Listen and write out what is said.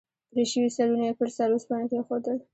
پرې شوي سرونه یې پر سره اوسپنه کېښودل.